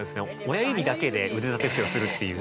親指だけで腕立て伏せをするっていう。